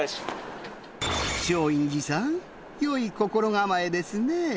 松陰寺さんよい心構えですねぇ。